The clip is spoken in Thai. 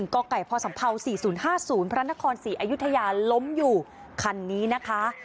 กไก่พศ๔๐๕๐พระนครศรีอยุธยาล้มอยู่คันนี้นะคะ